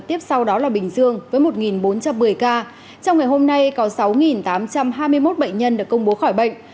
trong ngày hôm nay có sáu tám trăm hai mươi một bệnh nhân đã công bố khỏi bệnh